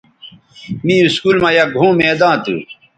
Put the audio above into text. می اسکول مہ یک گھؤں میداں تھو